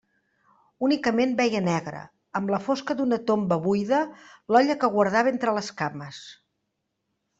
Únicament veia negre, amb la fosca d'una tomba buida, l'olla que guardava entre les cames.